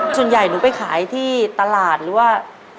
ส่วนใหญ่หนูไปขายที่ตลาดหรือว่า